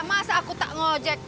masa aku tak ngojek